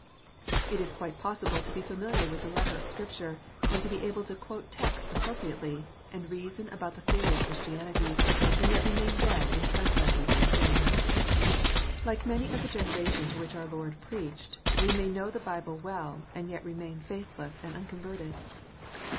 It is quite possible to be familiar with the letter of Scripture, and to be able to quote texts appropriately, and reason about the theory of Christianity, and yet to remain dead in trespasses and sins. ![iike many of the generation to which our Lord preached, we may know the Bible well, and yet remain faithless and unconverted.